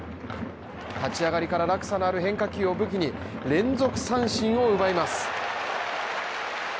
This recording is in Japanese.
立ち上がりから落差のある変化球を武器に連続三振を奪います。